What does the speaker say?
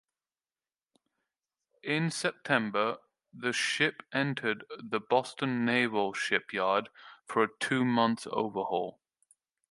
In September, the ship entered the Boston Naval Shipyard for a two-month overhaul.